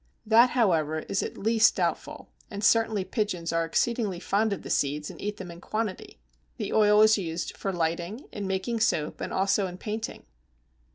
That, however, is at least doubtful, and certainly pigeons are exceedingly fond of the seeds and eat them in quantity. The oil is used for lighting, in making soap, and also in painting.